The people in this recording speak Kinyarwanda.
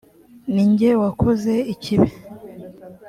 ni jye wakoze ikibi